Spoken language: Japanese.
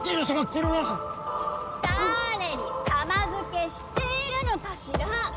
これは！だれに様付けしているのかしら？